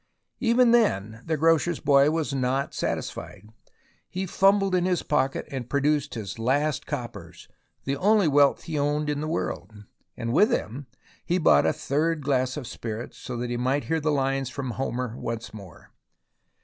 Even then the grocer's boy was not satisfied. He fumbled in his pocket and produced his last coppers, the only wealth he owned in the world, and with them bought a third glass of spirits so that he might hear the lines from Homer once more.